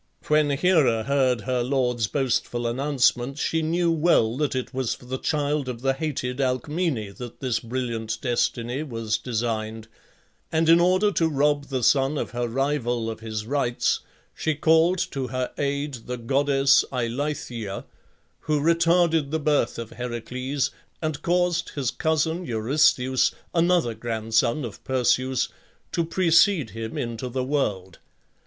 When Hera heard her lord's boastful announcement she knew well that it was for the child of the hated Alcmene that this brilliant destiny was designed; and in order to rob the son of her rival of his rights, she called to her aid the goddess Eilithyia, who retarded the birth of Heracles, and caused his cousin Eurystheus (another grandson of Perseus) to precede him into the world.